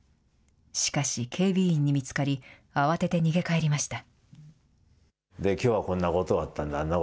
しかし、警備員に見つかり、慌てて逃げかえりました。